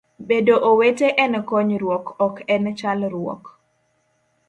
Bedo owete en konyruok ok en chalruok